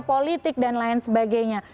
politik dan lain sebagainya